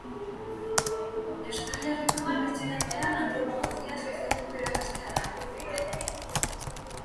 Euskal Herriko Unibertsitatean antropologia sozialeko irakaslea da.